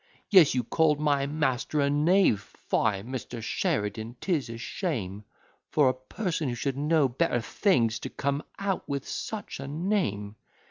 Yes, you call'd my master a knave; fie, Mr. Sheridan! 'tis a shame For a parson who should know better things, to come out with such a name.